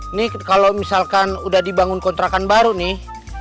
ini kalau misalkan udah dibangun kontrakan baru nih